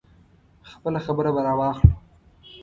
خپله خبره به راواخلو.